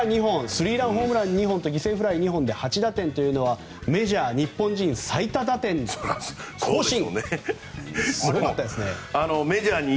スリーランホームラン２本と犠牲フライで８打点というのはメジャー日本人最多打点更新。